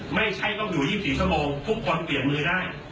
ไม่ใช่ต้องอยู่๒๔ชั่วโมงทุกคนเปลี่ยนมือได้